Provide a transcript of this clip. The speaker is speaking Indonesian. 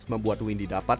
membuat windy dapat